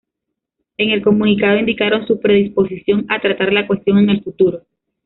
En el comunicado indicaron su predisposición a tratar la cuestión en el futuro.